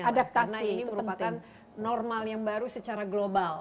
karena ini merupakan normal yang baru secara global